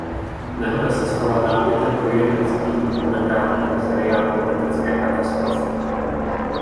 Nehoda se stala námětem pro jeden z dílů dokumentárního seriálu "Letecké katastrofy".